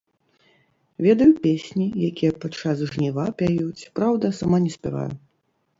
Ведаю песні, якія падчас жніва пяюць, праўда, сама не спяваю.